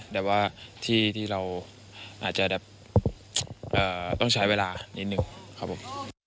แต่ว่าที่เราอาจจะแบบต้องใช้เวลานิดนึงครับผม